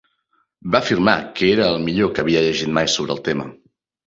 Va afirmar que era el millor que havia llegit mai sobre el tema.